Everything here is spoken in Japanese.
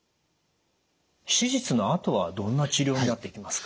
手術のあとはどんな治療になっていきますか？